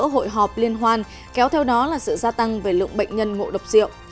hội họp liên hoan kéo theo đó là sự gia tăng về lượng bệnh nhân ngộ độc rượu